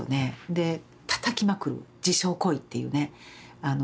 でたたきまくる自傷行為っていうね